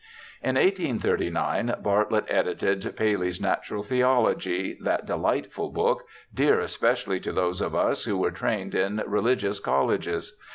In 1839 Bartlett edited Paley's Natural Theology, that delightful book, dear especially to those of us who were trained in religious colleges.